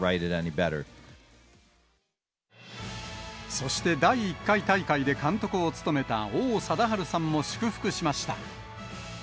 そして、第１回大会で監督を務めた王貞治さんも祝福しました。